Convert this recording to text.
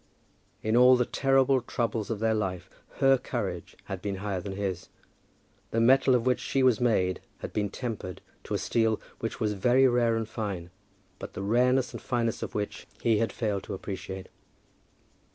In all the terrible troubles of their life her courage had been higher than his. The metal of which she was made had been tempered to a steel which was very rare and fine, but the rareness and fineness of which he had failed to appreciate.